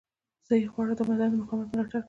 صحي خواړه د بدن د مقاومت ملاتړ کوي.